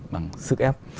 bằng sức ép